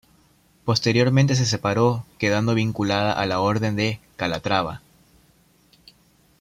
Posteriormente se separó quedando vinculada a la Orden de Calatrava.